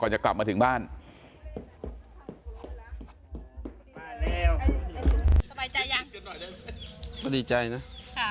ปลาส้มกลับมาถึงบ้านโอ้โหดีใจมาก